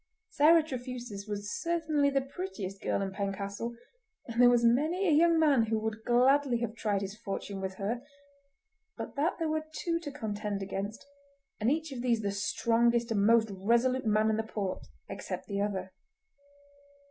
Sarah Trefusis was certainly the prettiest girl in Pencastle, and there was many a young man who would gladly have tried his fortune with her, but that there were two to contend against, and each of these the strongest and most resolute man in the port—except the other.